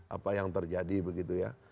apa yang terjadi begitu ya